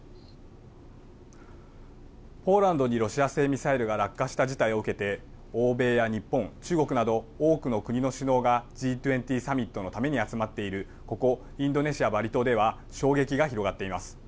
ポーランドにロシア製ミサイルが落下した事態を受けて欧米や日本、中国など多くの国の首脳がＧ２０サミットのために集まっている、ここインドネシア・バリ島では衝撃が広がっています。